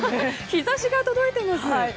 日差しが届いてます。